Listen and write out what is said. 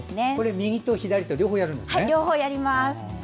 右と左と両方やるんですね。